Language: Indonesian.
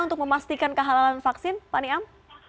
untuk memastikan kehalalan vaksin pak niam